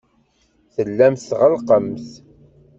Tellamt tɣellqemt.